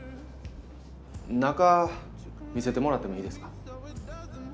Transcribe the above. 中見せてもらってもいいですか？